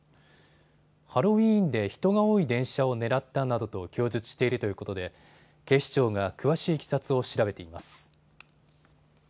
ハロウイーンで人が多い電車を狙ったなどと供述しているということで警視庁が詳しいいきさつを調べています。